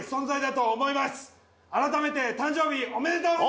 改めて誕生日おめでとうございます！